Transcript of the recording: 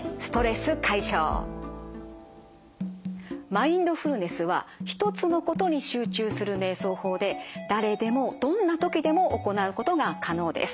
マインドフルネスは１つのことに集中するめい想法で誰でもどんな時でも行うことが可能です。